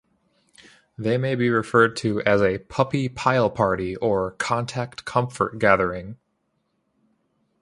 They may be referred to as a "puppy pile party" or "Contact Comfort Gathering".